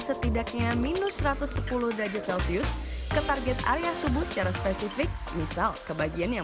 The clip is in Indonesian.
setidaknya minus satu ratus sepuluh derajat celcius ke target area tubuh secara spesifik misal kebagian yang